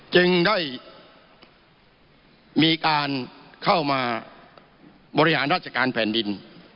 จึงได้มีการเข้ามาบริหารราชการแผ่นดิน